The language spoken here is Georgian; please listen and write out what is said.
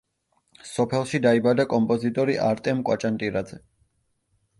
სოფელში დაიბადა კომპოზიტორი არტემ კვაჭანტირაძე.